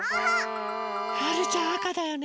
はるちゃんあかだよね。